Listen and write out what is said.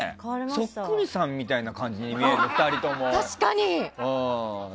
そっくりさんみたいに見える２人とも。